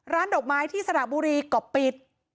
ดอกไม้ที่สระบุรีก็ปิด